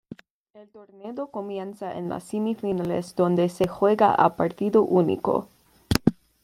El torneo comienza en las semifinales donde se juega a partido único.